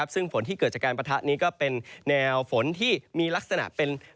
ซึ่งฝนที่เกิดจากการปะทะนี้ก็เป็นแนวฝนที่มีลักษณะเป็น